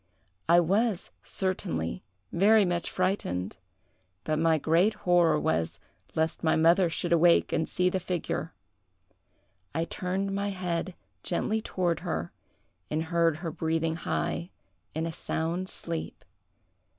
I was, certainly, very much frightened; but my great horror was, lest my mother should awake and see the figure. I turned my head gently toward her, and heard her breathing high in a sound sleep.